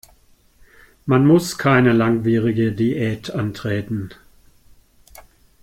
Man muss keine langwierige Diät antreten.